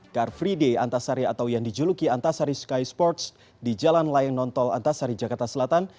car free day antasari atau yang dijuluki antasari sky sports di jalan layang nontol antasari jakarta selatan